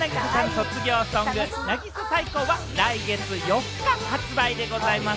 卒業ソング、『渚サイコー！』は来月４日発売でございます。